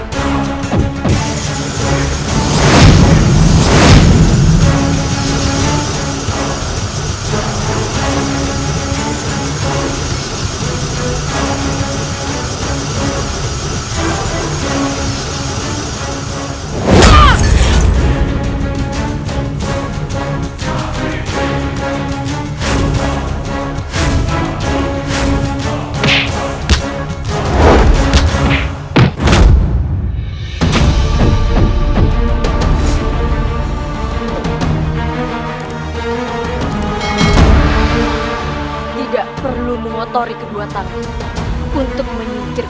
kau bisa mengalahkan kami